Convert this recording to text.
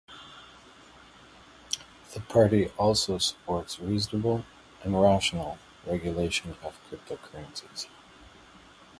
The party also supports "reasonable and rational" regulation of cryptocurrencies.